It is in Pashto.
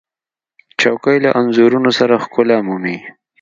چوکۍ له انځورونو سره ښکلا مومي.